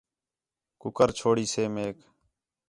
کُکر چُھڑیسے میک